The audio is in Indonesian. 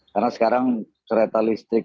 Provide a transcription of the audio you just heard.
karena sekarang kereta listrik